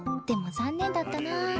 でも残念だったなぁ。